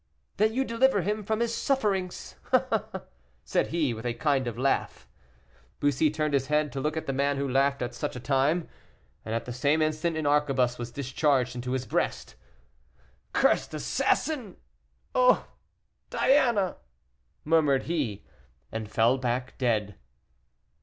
"That you deliver him from his sufferings," said he, with a kind of laugh. Bussy turned his head to look at the man who laughed at such a time, and at the same instant an arquebuse was discharged into his breast. "Cursed assassin! oh, Diana!" murmured he, and fell back dead.